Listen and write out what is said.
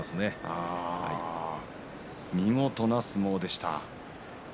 見事な相撲でした。